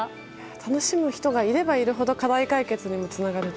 楽しむ人がいればいるほど課題解決にもつながる。